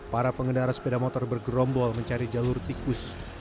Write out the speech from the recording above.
para pengendara sepeda motor bergerombol mencari jalur tikus